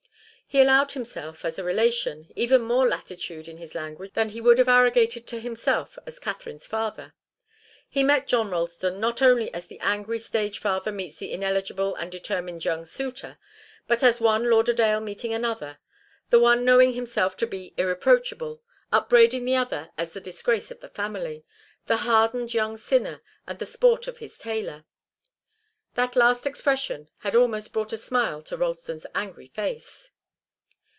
He allowed himself, as a relation, even more latitude in his language than he would have arrogated to himself as Katharine's father. He met John Ralston not only as the angry stage father meets the ineligible and determined young suitor, but as one Lauderdale meeting another the one knowing himself to be irreproachable, upbraiding the other as the disgrace of the family, the hardened young sinner, and the sport of his tailor. That last expression had almost brought a smile to Ralston's angry face.